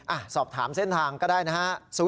สอบถามเส้นทางก็ได้นะฮะ